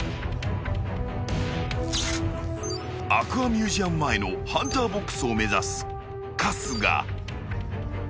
［アクアミュージアム前のハンターボックスを目指す春日］